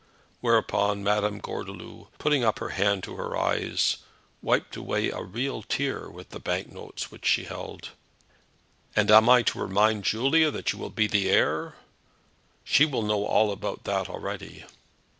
Whereupon Madame Gordeloup, putting up her hand to her eyes, wiped away a real tear with the bank notes which she still held. "And I am to remind Julie that you will be the heir?" "She will know all about that already."